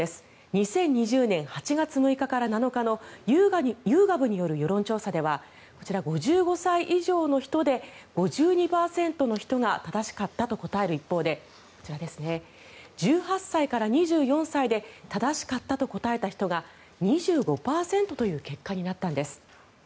２０２０年８月６日から７日のユーガブによる世論調査では５５歳以上の人で５２％の人が正しかったと答える一方で１８歳から２４歳で正しかったと答えた人が２５％という結果になったんです。